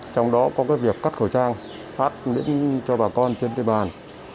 trong đó có cái việc cắt khẩu trang phát lĩnh cho bà con trên cây bàn